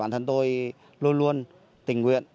bản thân tôi luôn luôn tình nguyện